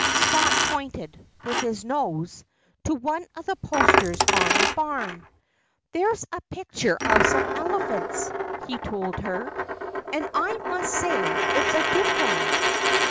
Spot pointed with his nose to one of the posters on the barn. "There's a picture of some elephants," he told her. "And I must say it's a good one."